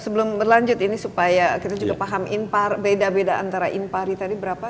sebelum berlanjut ini supaya kita juga paham beda beda antara impari tadi berapa